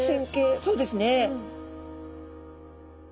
そうですね。